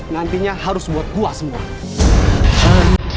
nantinya harus buat kuah semua